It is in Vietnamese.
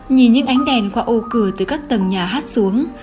nhìn những ánh đèn qua ô cửa từ các tầng nhà hát xuống